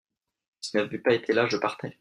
Si tu n’avais pas été là je partais.